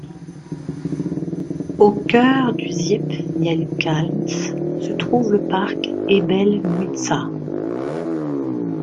Au cœur du Ziepniekkalns se trouve le parc Ēbelmuiža.